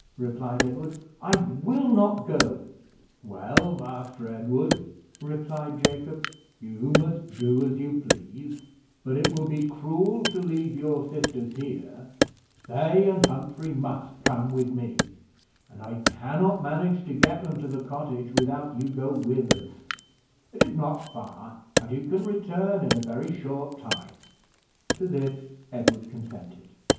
replied Edward. "I will not go." "Well, Master Edward," replied Jacob, "you must do as you please; but it will be cruel to leave your sisters here; they and Humphrey must come with me, and I can not manage to get them to the cottage without you go with us; it is not far, and you can return in a very short time." To this Edward consented.